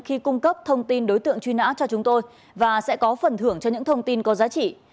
khi cung cấp thông tin đối tượng truy nã cho chúng tôi và sẽ có phần thưởng cho những thông tin có giá trị